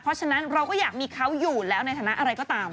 เพราะฉะนั้นเราก็อยากมีเขาอยู่แล้วในฐานะอะไรก็ตาม